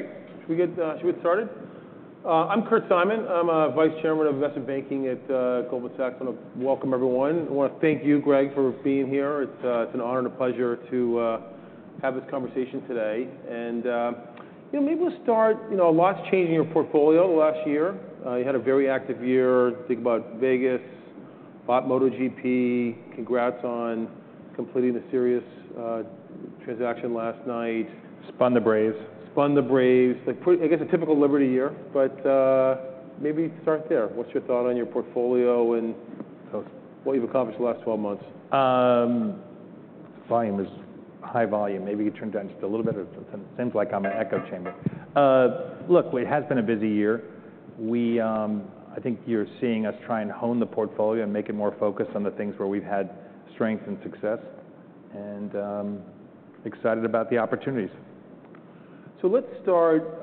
Great. Should we get started? I'm Kurt Simon. I'm Vice Chairman of Investment Banking at Goldman Sachs. I wanna welcome everyone. I wanna thank you, Greg, for being here. It's an honor and a pleasure to have this conversation today, and you know, maybe we'll start, you know, a lot's changed in your portfolio in the last year. You had a very active year. Think about Vegas, bought MotoGP. Congrats on completing the Sirius transaction last night. Spun the Braves. Spun the Braves. Like, pretty, I guess, a typical Liberty year, but, maybe start there. What's your thought on your portfolio and so what you've accomplished in the last 12 months? Volume is high volume. Maybe you turn it down just a little bit. It seems like I'm in an echo chamber. Look, it has been a busy year. We, I think you're seeing us try and hone the portfolio and make it more focused on the things where we've had strength and success, and excited about the opportunities. So let's start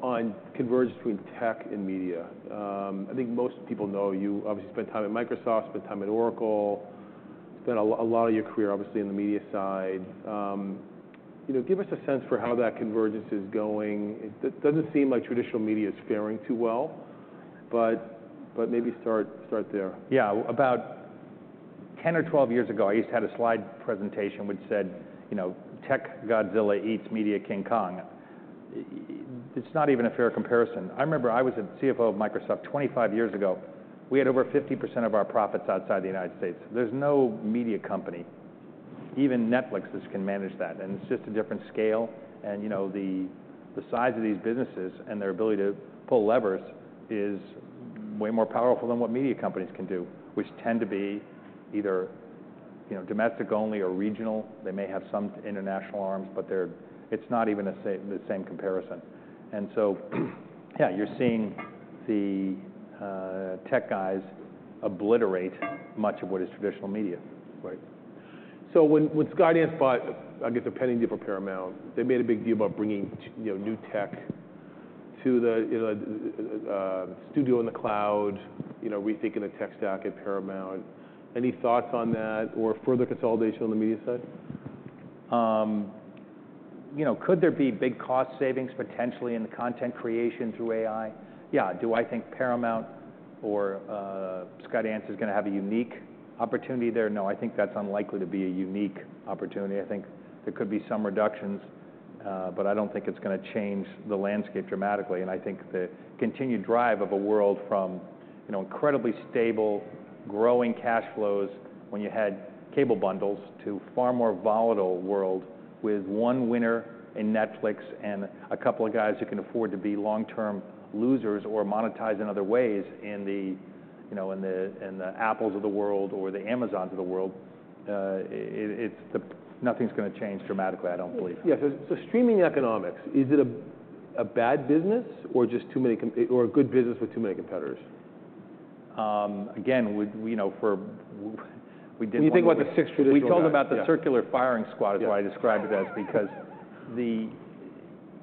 on convergence between tech and media. I think most people know you. Obviously, you spent time at Microsoft, spent time at Oracle, spent a lot of your career, obviously, in the media side. You know, give us a sense for how that convergence is going. It doesn't seem like traditional media is faring too well, but maybe start there. Yeah. About 10 or 12 years ago, I used to have a slide presentation which said, you know, "Tech Godzilla eats Media King Kong." It's not even a fair comparison. I remember I was a CFO of Microsoft 25 years ago. We had over 50% of our profits outside the United States. There's no media company, even Netflix, that can manage that, and it's just a different scale. You know, the size of these businesses and their ability to pull levers is way more powerful than what media companies can do, which tend to be either, you know, domestic only or regional. They may have some international arms, but they're—it's not even the same comparison. So yeah, you're seeing the tech guys obliterate much of what is traditional media. Right. So when Skydance bought, I guess, the pending deal for Paramount, they made a big deal about bringing, you know, new tech to the, you know, the studio in the cloud, you know, rethinking the tech stack at Paramount. Any thoughts on that or further consolidation on the media side? You know, could there be big cost savings potentially in the content creation through AI? Yeah. Do I think Paramount or Skydance is gonna have a unique opportunity there? No, I think that's unlikely to be a unique opportunity. I think there could be some reductions, but I don't think it's gonna change the landscape dramatically. And I think the continued drive of a world from, you know, incredibly stable, growing cash flows when you had cable bundles, to a far more volatile world with one winner in Netflix and a couple of guys who can afford to be long-term losers or monetized in other ways, in the, you know, Apples of the world or the Amazons of the world. Nothing's gonna change dramatically, I don't believe. Yeah, so streaming economics, is it a bad business or just too many, or a good business with too many competitors? Again, we know for... We did one- When you think about the six traditional- We told them about the circular firing squad- Yeah -is what I described it as, because the...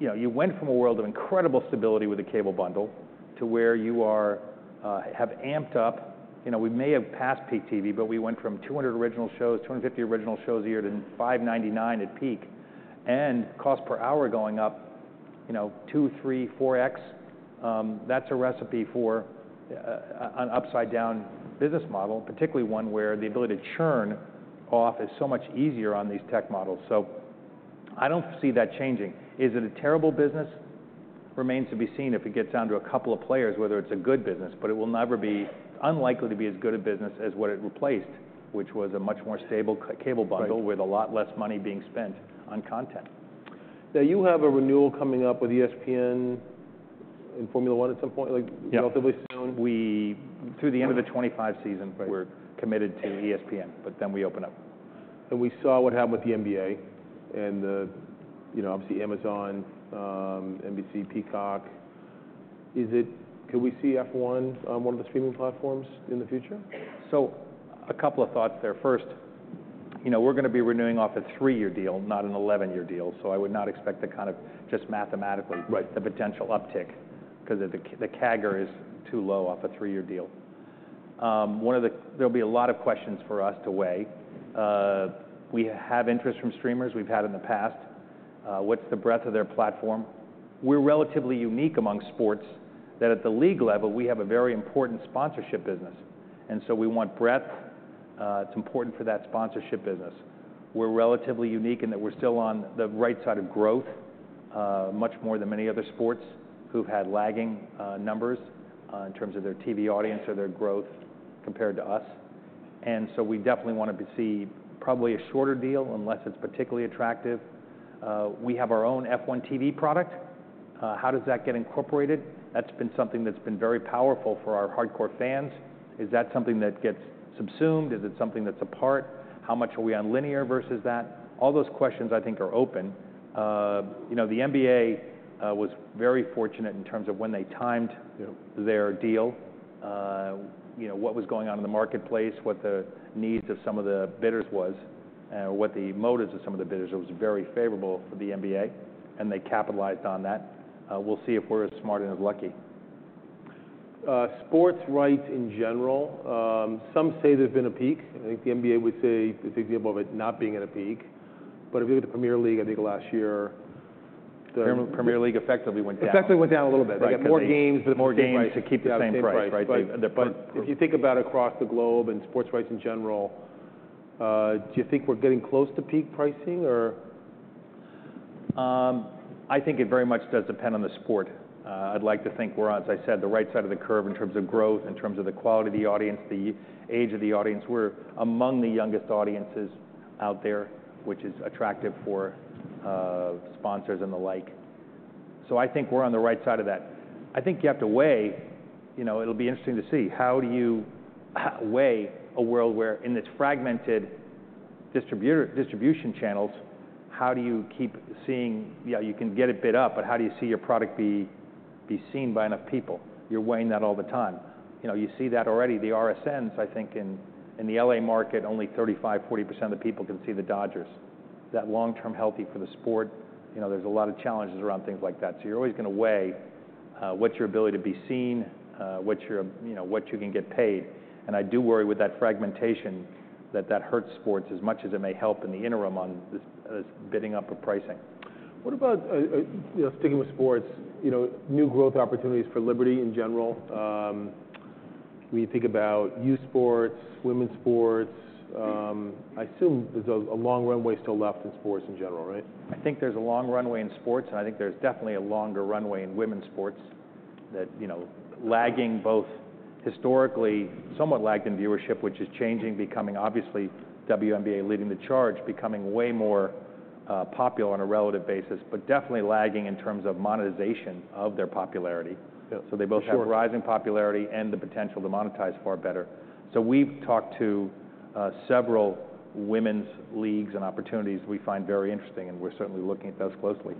You know, you went from a world of incredible stability with the cable bundle to where you are, have amped up. You know, we may have passed peak TV, but we went from 200 original shows, 250 original shows a year, to 599 at peak, and cost per hour going up, you know, 2X, 3X, 4X. That's a recipe for a, a, an upside-down business model, particularly one where the ability to churn off is so much easier on these tech models. So I don't see that changing. Is it a terrible business? Remains to be seen if it gets down to a couple of players, whether it's a good business, but it will never be unlikely to be as good a business as what it replaced, which was a much more stable cable bundle. Right... with a lot less money being spent on content. Now, you have a renewal coming up with ESPN and Formula 1 at some point, like- Yeah -relatively soon. Through the end of the 2025 season. Right We're committed to ESPN, but then we open up. We saw what happened with the NBA and the, you know, obviously Amazon, NBC, Peacock. Could we see F1 on one of the streaming platforms in the future? So a couple of thoughts there. First, you know, we're gonna be renewing off a three-year deal, not an eleven-year deal, so I would not expect the kind of just mathematically- Right the potential uptick, 'cause the CAGR is too low off a three-year deal. One of the... There'll be a lot of questions for us to weigh. We have interest from streamers, we've had in the past. What's the breadth of their platform? We're relatively unique among sports, that at the league level, we have a very important sponsorship business, and so we want breadth. It's important for that sponsorship business. We're relatively unique in that we're still on the right side of growth, much more than many other sports who've had lagging numbers, in terms of their TV audience or their growth compared to us. And so we definitely want to see probably a shorter deal, unless it's particularly attractive. We have our own F1 TV product. How does that get incorporated? That's been something that's been very powerful for our hardcore fans. Is that something that gets subsumed? Is it something that's a part? How much are we on linear versus that? All those questions, I think, are open. You know, the NBA was very fortunate in terms of when they timed, you know, their deal, you know, what was going on in the marketplace, what the needs of some of the bidders was, what the motives of some of the bidders was. It was very favorable for the NBA, and they capitalized on that. We'll see if we're as smart and as lucky.... sports rights in general, some say there's been a peak. I think the NBA would say it's example of it not being at a peak. But if you look at the Premier League, I think last year, the- Premier League effectively went down. Effectively went down a little bit. Right. They got more games, but more games- More games to keep the same price.... Yeah, the same price. Right? But, But if you think about across the globe and sports rights in general, do you think we're getting close to peak pricing or...? I think it very much does depend on the sport. I'd like to think we're, as I said, the right side of the curve in terms of growth, in terms of the quality of the audience, the age of the audience. We're among the youngest audiences out there, which is attractive for sponsors and the like. So I think we're on the right side of that. I think you have to weigh, you know, it'll be interesting to see, how do you weigh a world where in this fragmented distribution channels, how do you keep seeing. Yeah, you can get it bid up, but how do you see your product be seen by enough people? You're weighing that all the time. You know, you see that already. The RSNs, I think, in the LA market, only 35%-40% of the people can see the Dodgers. Is that long-term healthy for the sport? You know, there's a lot of challenges around things like that. So you're always going to weigh what's your ability to be seen, what's your, you know, what you can get paid. And I do worry with that fragmentation, that that hurts sports as much as it may help in the interim on this, this bidding up of pricing. What about, you know, sticking with sports, you know, new growth opportunities for Liberty in general? When you think about youth sports, women's sports, I assume there's a long runway still left in sports in general, right? I think there's a long runway in sports, and I think there's definitely a longer runway in women's sports that, you know, lagging both historically, somewhat lagged in viewership, which is changing, becoming obviously, WNBA leading the charge, becoming way more, popular on a relative basis, but definitely lagging in terms of monetization of their popularity. Yeah, sure. So they both have rising popularity and the potential to monetize far better. So we've talked to several women's leagues and opportunities we find very interesting, and we're certainly looking at those closely.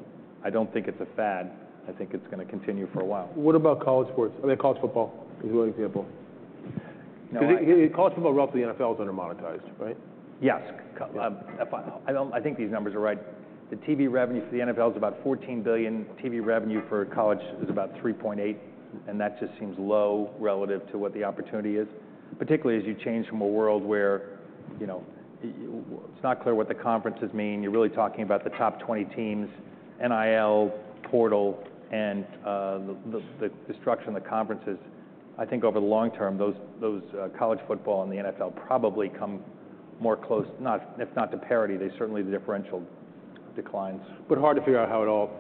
I don't think it's a fad. I think it's going to continue for a while. What about college sports? I mean, college football is one example. Now I- 'Cause college football, roughly, NFL is under-monetized, right? Yes. I think these numbers are right. The TV revenue for the NFL is about $14 billion. TV revenue for college is about $3.8 billion, and that just seems low relative to what the opportunity is. Particularly as you change from a world where, you know, it's not clear what the conferences mean, you're really talking about the top 20 teams, NIL, portal, and the structure in the conferences. I think over the long term, those college football and the NFL probably come more close, not if not to parity, there's certainly the differential declines. But hard to figure out how it all...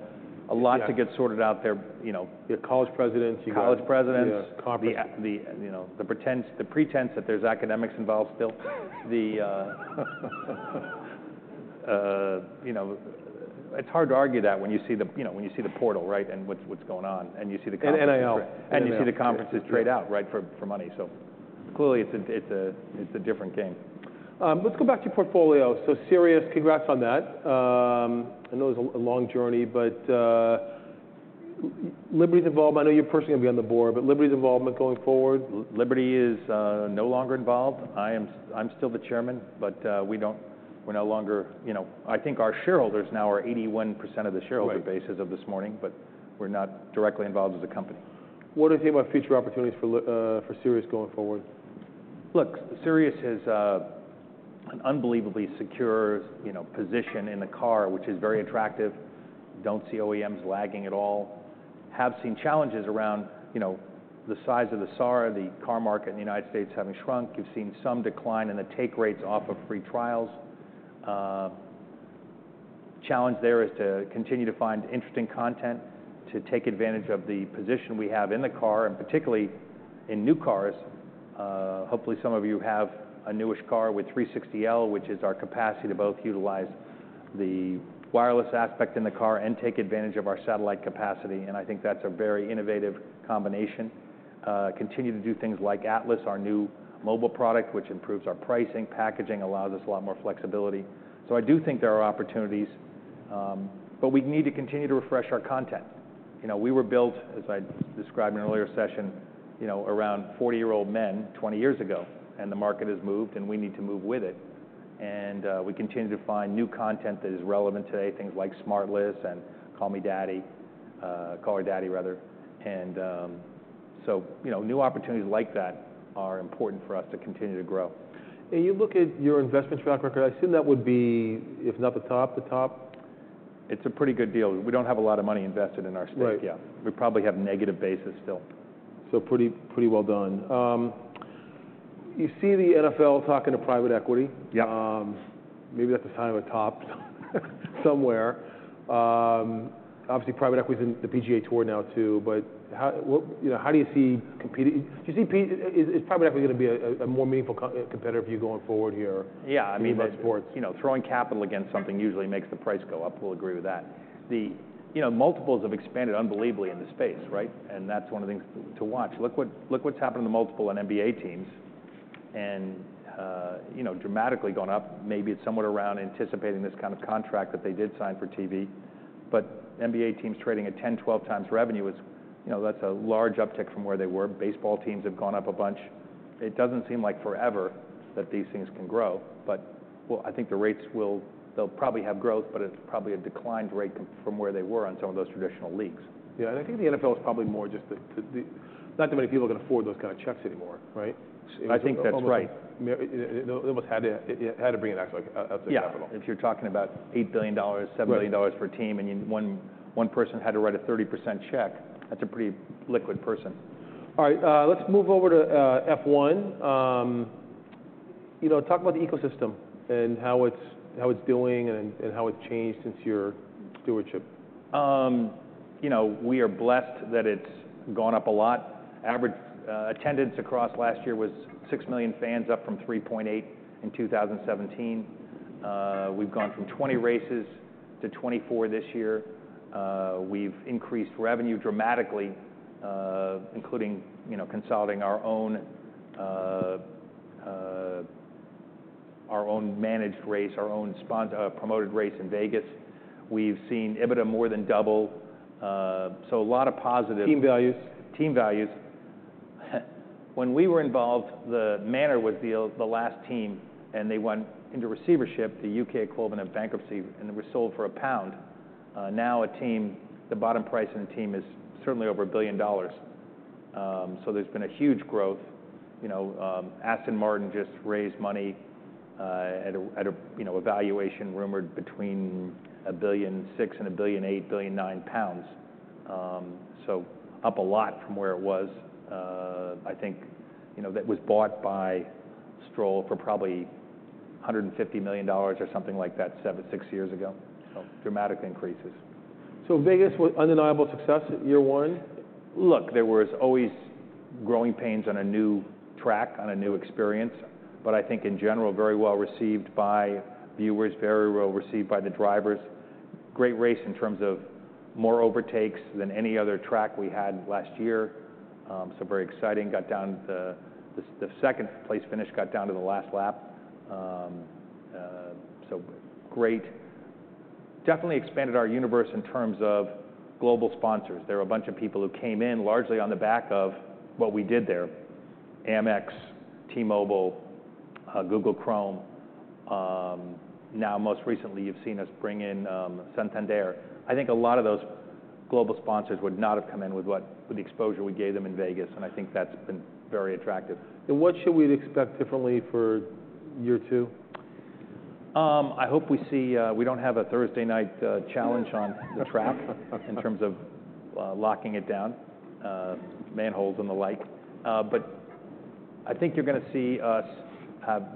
A lot- Yeah... to get sorted out there, you know? You have college presidents, you got- College presidents- You got conference. The pretense that there's academics involved still. You know, it's hard to argue that when you see the portal, right, and what's going on, and you see the conferences- And NIL. You see the conferences trade out. Yeah... right, for money. So clearly, it's a different game. Let's go back to your portfolio, so Sirius, congrats on that. I know it's a long journey, but Liberty's involved, I know you're personally going to be on the board, but Liberty's involvement going forward? Liberty is no longer involved. I am, I'm still the chairman, but we don't, we're no longer. You know, I think our shareholders now are 81% of the shareholder- Right... base as of this morning, but we're not directly involved as a company. What do you think about future opportunities for Sirius going forward? Look, Sirius has an unbelievably secure, you know, position in the car, which is very attractive. Don't see OEMs lagging at all. Have seen challenges around, you know, the size of the SAR, the car market in the United States having shrunk. You've seen some decline in the take rates off of free trials. Challenge there is to continue to find interesting content, to take advantage of the position we have in the car, and particularly in new cars. Hopefully, some of you have a newish car with 360L, which is our capacity to both utilize the wireless aspect in the car and take advantage of our satellite capacity, and I think that's a very innovative combination. Continue to do things like Atlas, our new mobile product, which improves our pricing, packaging, allows us a lot more flexibility. So I do think there are opportunities, but we need to continue to refresh our content. You know, we were built, as I described in an earlier session, you know, around 40-year-old men 20 years ago, and the market has moved, and we need to move with it, and we continue to find new content that is relevant today, things like SmartLess and Call Her Daddy, and so you know, new opportunities like that are important for us to continue to grow. You look at your investment track record, I assume that would be, if not the top, the top? It's a pretty good deal. We don't have a lot of money invested in our stake. Right. Yeah. We probably have negative basis still. So pretty, pretty well done. You see the NFL talking to private equity. Yeah. Maybe that's a sign of a top somewhere. Obviously, private equity in the PGA Tour now, too, but how, what... You know, how do you see competing? Do you see private equity going to be a more meaningful competitor for you going forward here- Yeah, I mean- In most sports? You know, throwing capital against something usually makes the price go up. We'll agree with that. You know, multiples have expanded unbelievably in this space, right? And that's one of the things to watch. Look what's happened to multiples and NBA teams, and you know, dramatically gone up. Maybe it's somewhat around anticipating this kind of contract that they did sign for TV, but NBA teams trading at 10x, 12x revenue is, you know, that's a large uptick from where they were. Baseball teams have gone up a bunch. It doesn't seem like forever that these things can grow, but well, I think the rates they'll probably have growth, but it's probably a declined rate from where they were on some of those traditional leagues. Yeah, and I think the NFL is probably more just the not too many people can afford those kind of checks anymore, right? I think that's right. Almost had to bring in actual outside capital. Yeah, if you're talking about $8 billion- Right... $7 billion per team, and one person had to write a 30% check, that's a pretty liquid person. All right, let's move over to F1. You know, talk about the ecosystem and how it's doing, and how it's changed since your stewardship. You know, we are blessed that it's gone up a lot. Average attendance across last year was six million fans, up from 3.8 in 2017. We've gone from 20 races to 24 this year. We've increased revenue dramatically, including, you know, consolidating our own managed race, our own promoted race in Vegas. We've seen EBITDA more than double. So a lot of positive- Team values? Team values. When we were involved, the Manor was the last team, and they went into receivership, the U.K. equivalent of bankruptcy, and it was sold for £1. Now a team, the bottom price in a team is certainly over $1 billion. So there's been a huge growth. You know, Aston Martin just raised money at a, you know, a valuation rumored between £1.6 billion and £1.8, £1.9 billion. So up a lot from where it was. I think, you know, that was bought by Stroll for probably $150 million or something like that, seven, six years ago. So dramatic increases. So Vegas was undeniable success, year one? Look, there was always growing pains on a new track, on a new experience, but I think in general, very well-received by viewers, very well-received by the drivers. Great race in terms of more overtakes than any other track we had last year. So very exciting. Got down to the second place finish got down to the last lap. So great. Definitely expanded our universe in terms of global sponsors. There are a bunch of people who came in largely on the back of what we did there: Amex, T-Mobile, Google Chrome. Now, most recently, you've seen us bring in Santander. I think a lot of those global sponsors would not have come in with the exposure we gave them in Vegas, and I think that's been very attractive. What should we expect differently for year two? I hope we don't have a Thursday night challenge on the track in terms of locking it down, manholes and the like. But I think you're gonna see us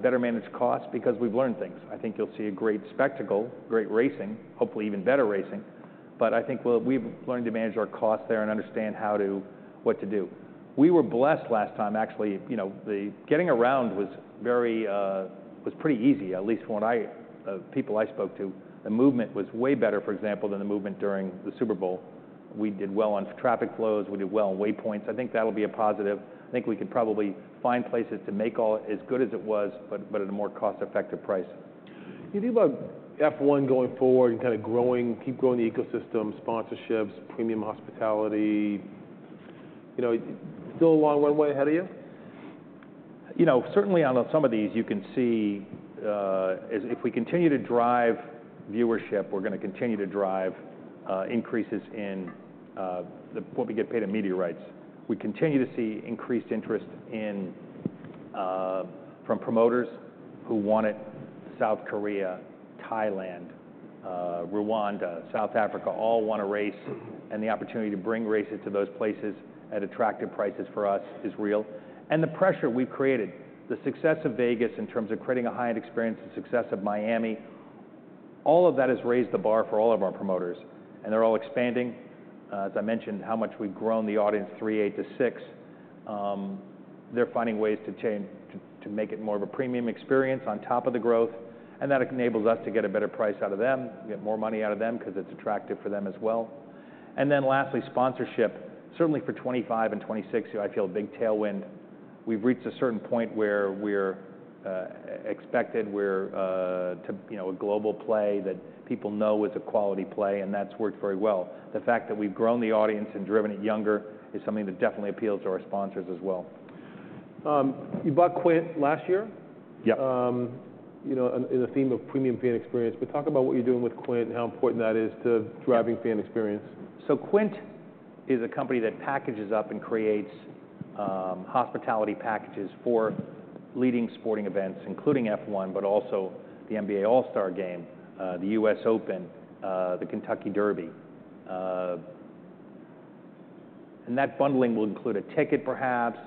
better manage costs because we've learned things. I think you'll see a great spectacle, great racing, hopefully even better racing, but I think we've learned to manage our costs there and understand what to do. We were blessed last time, actually. You know, the getting around was pretty easy, at least people I spoke to. The movement was way better, for example, than the movement during the Super Bowl. We did well on traffic flows, we did well on waypoints. I think that'll be a positive. I think we could probably find places to make all as good as it was, but at a more cost-effective price. You think about F1 going forward and kinda growing, keep growing the ecosystem, sponsorships, premium hospitality, you know, still a long way ahead of you? You know, certainly on some of these, you can see, if we continue to drive viewership, we're gonna continue to drive increases in what we get paid in media rights. We continue to see increased interest in from promoters who want it, South Korea, Thailand, Rwanda, South Africa, all want a race, and the opportunity to bring races to those places at attractive prices for us is real. And the pressure we've created, the success of Vegas in terms of creating a high-end experience, the success of Miami, all of that has raised the bar for all of our promoters, and they're all expanding. As I mentioned, how much we've grown the audience, 3.8 to six. They're finding ways to change to make it more of a premium experience on top of the growth, and that enables us to get a better price out of them, get more money out of them, 'cause it's attractive for them as well. And then lastly, sponsorship. Certainly for 2025 and 2026, you know, I feel a big tailwind. We've reached a certain point where we're expected to, you know, a global play that people know is a quality play, and that's worked very well. The fact that we've grown the audience and driven it younger is something that definitely appeals to our sponsors as well. You bought Quint last year? Yep. You know, in the theme of premium fan experience, but talk about what you're doing with Quint, how important that is to driving fan experience. So Quint is a company that packages up and creates hospitality packages for leading sporting events, including F1, but also the NBA All-Star Game, the US Open, the Kentucky Derby. And that bundling will include a ticket, perhaps,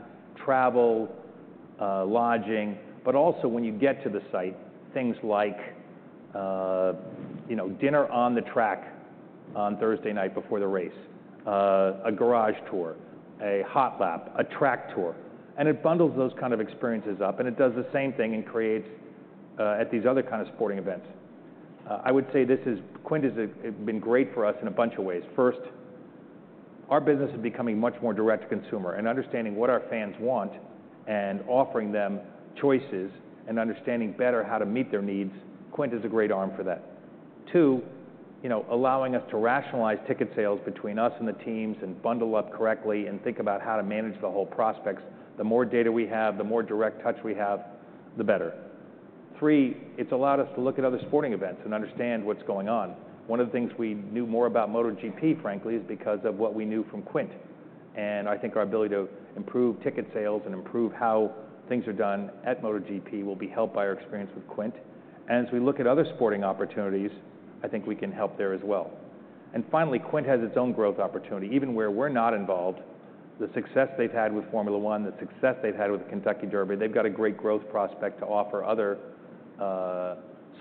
travel, lodging, but also when you get to the site, things like, you know, dinner on the track on Thursday night before the race, a garage tour, a hot lap, a track tour. And it bundles those kind of experiences up, and it does the same thing and creates at these other kind of sporting events. I would say this is... Quint has been great for us in a bunch of ways. First, our business is becoming much more direct to consumer and understanding what our fans want and offering them choices and understanding better how to meet their needs. Quint is a great arm for that. Two, you know, allowing us to rationalize ticket sales between us and the teams and bundle up correctly and think about how to manage the whole prospects. The more data we have, the more direct touch we have, the better. Three, it's allowed us to look at other sporting events and understand what's going on. One of the things we knew more about MotoGP, frankly, is because of what we knew from Quint. And I think our ability to improve ticket sales and improve how things are done at MotoGP will be helped by our experience with Quint. And as we look at other sporting opportunities, I think we can help there as well. Finally, Quint has its own growth opportunity. Even where we're not involved, the success they've had with Formula One, the success they've had with the Kentucky Derby, they've got a great growth prospect to offer other,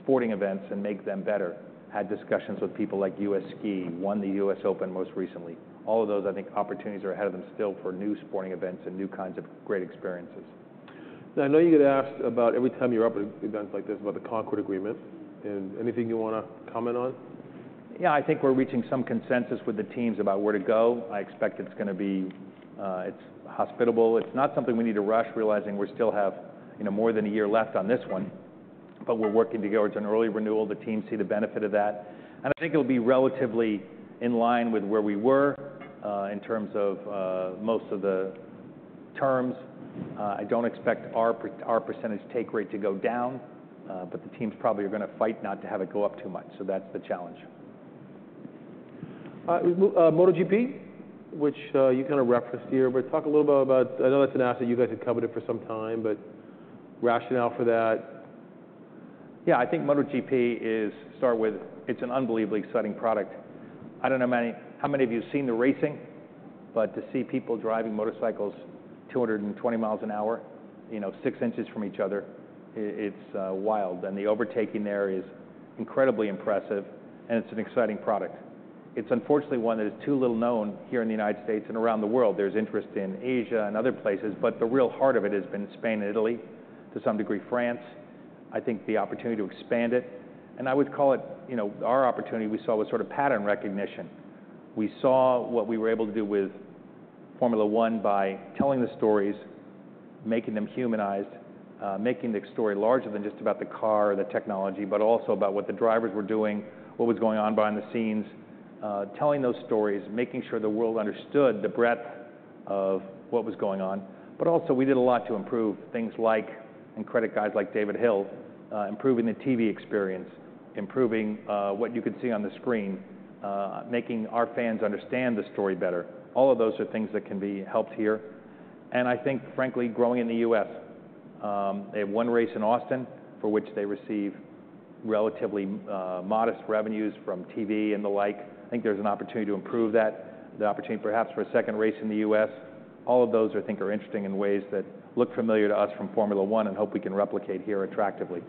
sporting events and make them better. Had discussions with people like U.S. Ski, won the U.S. Open most recently. All of those, I think, opportunities are ahead of them still for new sporting events and new kinds of great experiences. Now, I know you get asked about every time you're up at events like this about the Concorde Agreement, and anything you wanna comment on? Yeah, I think we're reaching some consensus with the teams about where to go. I expect it's gonna be hospitable. It's not something we need to rush, realizing we still have, you know, more than a year left on this one, but we're working together towards an early renewal. The teams see the benefit of that, and I think it'll be relatively in line with where we were in terms of most of the terms. I don't expect our percentage take rate to go down, but the teams probably are gonna fight not to have it go up too much, so that's the challenge. MotoGP, which you kinda referenced here, but talk a little bit about... I know that's an asset you guys have covered it for some time, but rationale for that. Yeah, I think MotoGP is, to start with, it's an unbelievably exciting product. I don't know how many of you have seen the racing, but to see people driving motorcycles 220 mi an hour, you know, six inches from each other, it's wild, and the overtaking there is incredibly impressive, and it's an exciting product. It's unfortunately one that is too little known here in the United States and around the world. There's interest in Asia and other places, but the real heart of it has been Spain and Italy, to some degree, France. I think the opportunity to expand it, and I would call it, you know, our opportunity, we saw a sort of pattern recognition. We saw what we were able to do with Formula One by telling the stories, making them humanized, making the story larger than just about the car or the technology, but also about what the drivers were doing, what was going on behind the scenes, telling those stories, making sure the world understood the breadth of what was going on, but also we did a lot to improve things like and credit guys like David Hill, improving the TV experience, improving what you could see on the screen, making our fans understand the story better. All of those are things that can be helped here, and I think, frankly, growing in the US, they have one race in Austin, for which they receive relatively modest revenues from TV and the like. I think there's an opportunity to improve that, the opportunity perhaps for a second race in the U.S. All of those I think are interesting in ways that look familiar to us from Formula One, and hope we can replicate here attractively.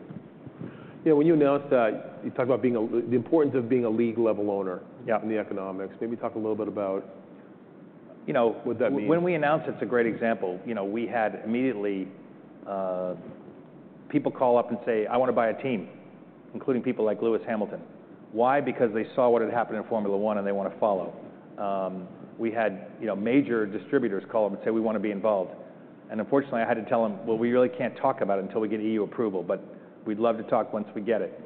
You know, when you announced that, you talked about the importance of being a league-level owner- Yeah... in the economics. Maybe talk a little bit about, you know, what that means. When we announced it, it's a great example. You know, we had immediately people call up and say, "I wanna buy a team," including people like Lewis Hamilton. Why? Because they saw what had happened in Formula 1, and they want to follow. We had, you know, major distributors call up and say, "We wanna be involved." And unfortunately, I had to tell them, "Well, we really can't talk about it until we get EU approval, but we'd love to talk once we get it."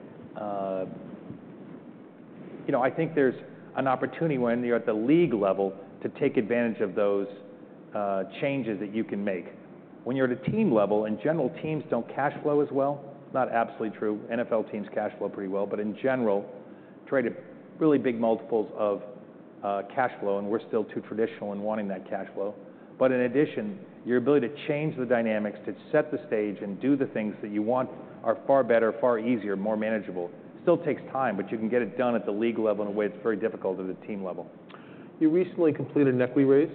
You know, I think there's an opportunity when you're at the league level to take advantage of those changes that you can make. When you're at a team level, in general, teams don't cash flow as well. Not absolutely true. NFL teams cash flow pretty well, but in general, trade at really big multiples of cash flow, and we're still too traditional in wanting that cash flow. But in addition, your ability to change the dynamics, to set the stage and do the things that you want, are far better, far easier, more manageable. Still takes time, but you can get it done at the league level in a way that's very difficult at the team level. You recently completed an equity raise?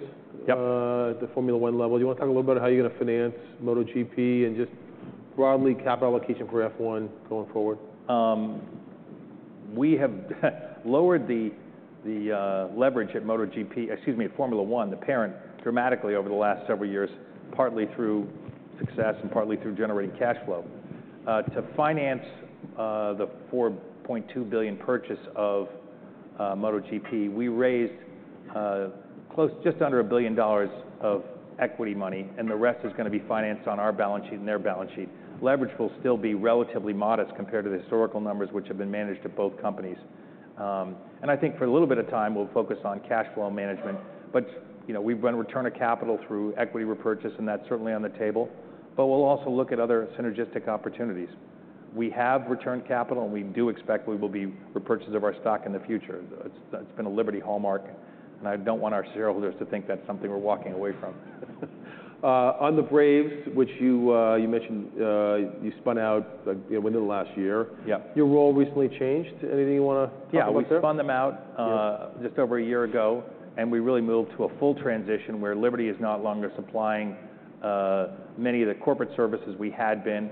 Yep... at the Formula 1 level. Do you wanna talk a little about how you're gonna finance MotoGP and just broadly, capital allocation for F1 going forward? We have lowered the leverage at MotoGP, excuse me, at Formula 1, the parent, dramatically over the last several years, partly through success and partly through generating cash flow. To finance the $4.2 billion purchase of MotoGP, we raised just under $1 billion of equity money, and the rest is gonna be financed on our balance sheet and their balance sheet. Leverage will still be relatively modest compared to the historical numbers which have been managed at both companies. I think for a little bit of time, we will focus on cash flow management, but you know, we have run return of capital through equity repurchase, and that is certainly on the table, but we will also look at other synergistic opportunities. We have returned capital, and we do expect we will be repurchasing of our stock in the future. That's been a Liberty hallmark, and I don't want our shareholders to think that's something we're walking away from. On the Braves, which you mentioned, you spun out within the last year. Yeah. Your role recently changed. Anything you wanna comment there? Yeah, we spun them out- Yeah... just over a year ago, and we really moved to a full transition where Liberty is no longer supplying many of the corporate services we had been.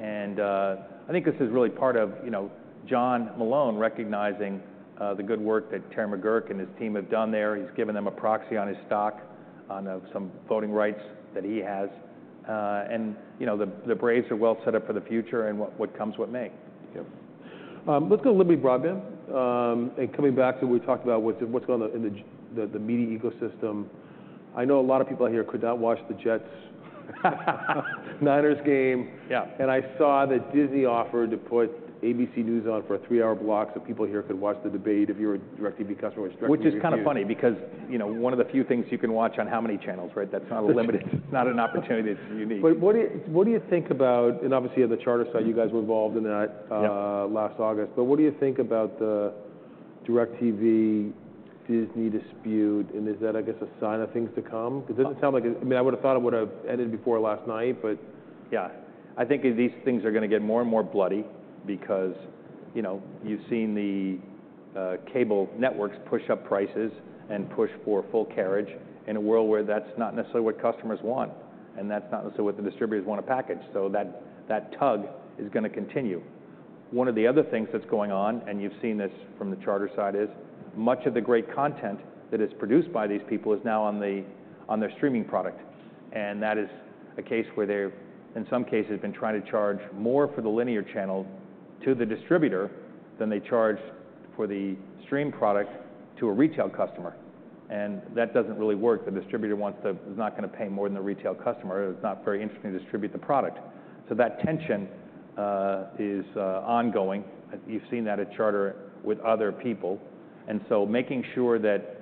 And I think this is really part of, you know, John Malone recognizing the good work that Terry McGuirk and his team have done there. He's given them a proxy on his stock, on some voting rights that he has. And, you know, the Braves are well set up for the future and what comes with May. Yep. Let's go a little bit broad then, and coming back to what we talked about, what's going on in the media ecosystem. I know a lot of people out here could not watch the Jets Niners game. Yeah. And I saw that Disney offered to put ABC News on for a three-hour block, so people here could watch the debate if you're a DirecTV customer, which- Which is kind of funny, because, you know, one of the few things you can watch on how many channels, right? That's not a limited- it's not an opportunity that's unique. But what do you think about, and obviously on the Charter side, you guys were involved in that- Yeah last August. But what do you think about the DirecTV-Disney dispute, and is that, I guess, a sign of things to come? 'Cause it doesn't sound like... I mean, I would've thought it would've ended before last night, but- Yeah. I think these things are gonna get more and more bloody because, you know, you've seen the cable networks push up prices and push for full carriage in a world where that's not necessarily what customers want, and that's not necessarily what the distributors want to package, so that tug is gonna continue. One of the other things that's going on, and you've seen this from the Charter side, is much of the great content that is produced by these people is now on their streaming product. And that is a case where they've, in some cases, been trying to charge more for the linear channel to the distributor than they charge for the stream product to a retail customer, and that doesn't really work. The distributor is not gonna pay more than the retail customer. It's not very interesting to distribute the product. So that tension is ongoing. You've seen that at Charter with other people, and so making sure that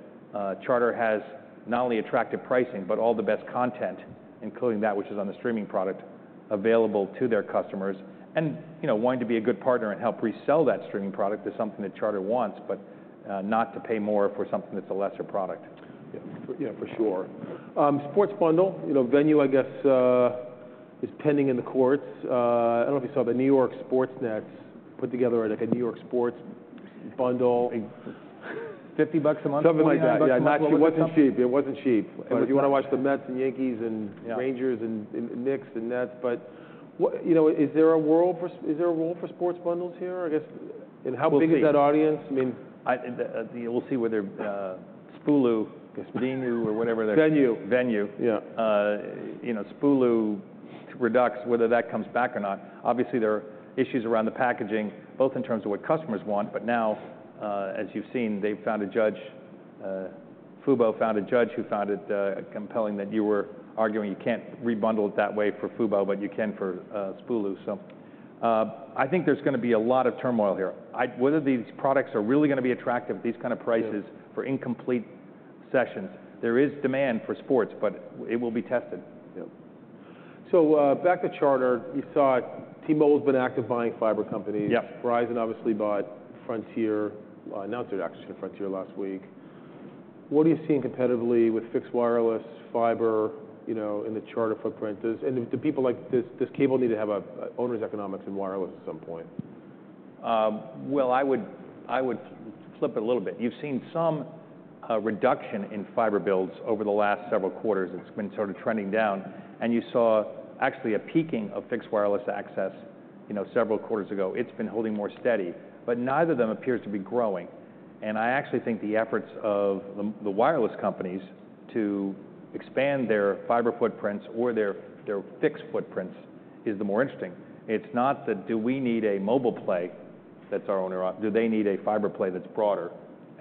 Charter has not only attractive pricing, but all the best content, including that which is on the streaming product, available to their customers. And, you know, wanting to be a good partner and help resell that streaming product is something that Charter wants, but not to pay more for something that's a lesser product. Yeah, yeah, for sure. Sports bundle, you know, Venu, I guess, is pending in the courts. I don't know if you saw the New York sports nets put together, like, a New York sports bundle. $50 a month? Something like that. $49 or something. Yeah, it wasn't cheap. It wasn't cheap. And- But if you wanna watch the Mets, and Yankees, and- Yeah... Rangers, and Knicks, and Nets, but what... You know, is there a world for is there a role for sports bundles here, I guess? We'll see. How big is that audience? I mean- We'll see whether Spulu, Venu, or whatever their- Venu. Venue. Yeah. You know, Spulu Redux, whether that comes back or not. Obviously, there are issues around the packaging, both in terms of what customers want, but now, as you've seen, they've found a judge, Fubo found a judge who found it compelling that you were arguing you can't rebundle it that way for Fubo, but you can for Spulu. So, I think there's gonna be a lot of turmoil here. Whether these products are really gonna be attractive, these kind of prices- Yeah... for incomplete sessions, there is demand for sports, but it will be tested. Yeah. So, back to Charter, you saw T-Mobile's been active buying fiber companies. Yeah. Verizon obviously bought Frontier, announced it actually last week. What are you seeing competitively with fixed wireless fiber, you know, in the Charter footprint? Does cable need to have a owner's economics in wireless at some point? I would flip it a little bit. You've seen some reduction in fiber builds over the last several quarters, and it's been sort of trending down, and you saw actually a peaking of fixed wireless access, you know, several quarters ago. It's been holding more steady, but neither of them appears to be growing, and I actually think the efforts of the wireless companies to expand their fiber footprints or their fixed footprints is the more interesting. It's not do we need a mobile play. Do they need a fiber play that's broader?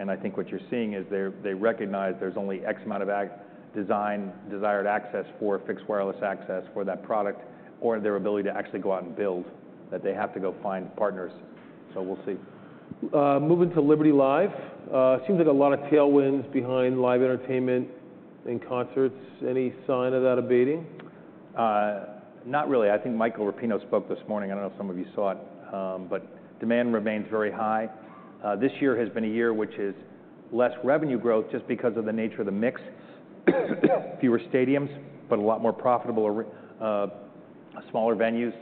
I think what you're seeing is they recognize there's only X amount of design, desired access for fixed wireless access for that product, or their ability to actually go out and build. That they have to go find partners. We'll see. Moving to Liberty Live, seems like a lot of tailwinds behind live entertainment and concerts. Any sign of that abating? Not really. I think Michael Rapino spoke this morning. I don't know if some of you saw it, but demand remains very high. This year has been a year which is less revenue growth just because of the nature of the mix, fewer stadiums, but a lot more profitable, smaller venues.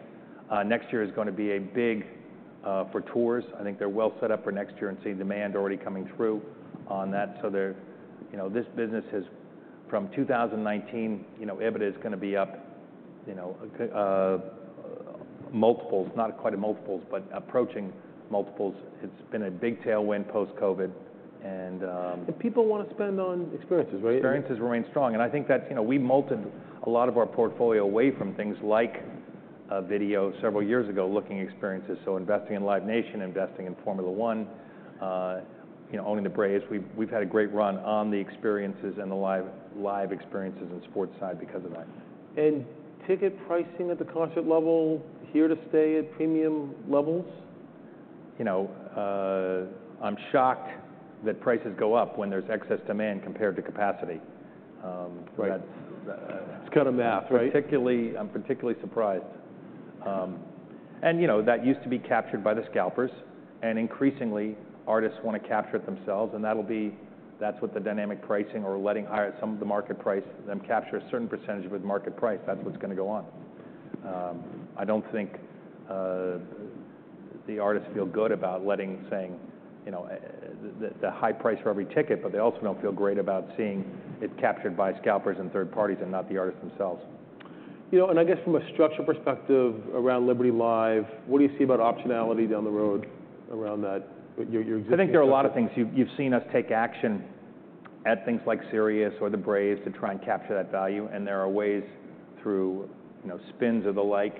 Next year is gonna be big, for tours. I think they're well set up for next year and seeing demand already coming through on that. So they're. You know, this business has, from 2019, you know, EBITDA is gonna be up, you know, multiples, not quite in multiples, but approaching multiples. It's been a big tailwind post-COVID, and But people wanna spend on experiences, right? Experiences remain strong, and I think that's, you know, we molded a lot of our portfolio away from things like video several years ago, looking at experiences, so investing in Live Nation, investing in Formula 1, you know, owning the Braves. We've had a great run on the experiences and the live experiences and sports side because of that. And ticket pricing at the concert level here to stay at premium levels? You know, I'm shocked that prices go up when there's excess demand compared to capacity. Right... that's It's kind of math, right? Particularly, I'm particularly surprised. And you know, that used to be captured by the scalpers, and increasingly, artists want to capture it themselves, and that's what the dynamic pricing or letting higher some of the market price, them capture a certain percentage of the market price, that's what's gonna go on. I don't think the artists feel good about letting, saying, you know, the high price for every ticket, but they also don't feel great about seeing it captured by scalpers and third parties and not the artists themselves. You know, and I guess from a structural perspective around Liberty Live, what do you see about optionality down the road around that, with your? I think there are a lot of things. You've seen us take action at things like Sirius or the Braves to try and capture that value, and there are ways through, you know, spins or the like,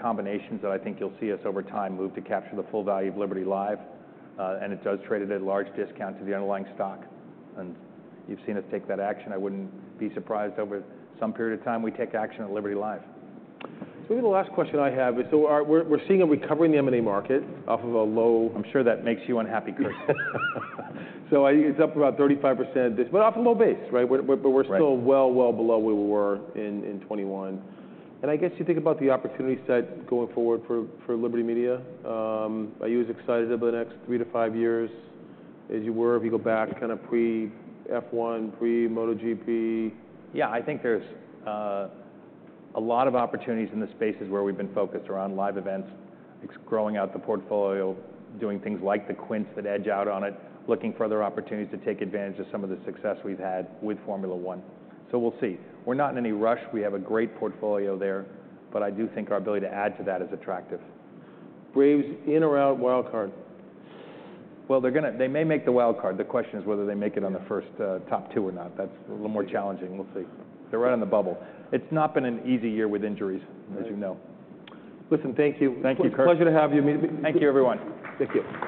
combinations that I think you'll see us over time move to capture the full value of Liberty Live. And it does trade at a large discount to the underlying stock, and you've seen us take that action. I wouldn't be surprised if over some period of time we take action on Liberty Live. The last question I have is, are we seeing a recovery in the M&A market off of a low- I'm sure that makes you unhappy, Kurt. So I think it's up about 35% but off a low base, right? We're Right... but we're still well, well below where we were in 2021. And I guess you think about the opportunity set going forward for Liberty Media. Are you as excited about the next three to five years as you were if you go back kind of pre-F1, pre-MotoGP? Yeah, I think there's a lot of opportunities in the spaces where we've been focused around live events, growing out the portfolio, doing things like the Quint that edge out on it, looking for other opportunities to take advantage of some of the success we've had with Formula 1. So we'll see. We're not in any rush. We have a great portfolio there, but I do think our ability to add to that is attractive. Braves, in or out wild card? They're gonna... They may make the wild card. The question is whether they make it on the first, top two or not. That's a little more challenging. We'll see. They're right on the bubble. It's not been an easy year with injuries. Right... as you know. Listen, thank you. Thank you, Kurt. Pleasure to have you. Thank you, everyone. Thank you.